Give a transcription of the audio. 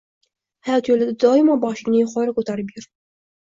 Hayot yo‘lida doimo boshingni yuqori ko‘tarib yur.